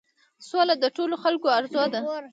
سوله د ټولو خلکو آرزو ده.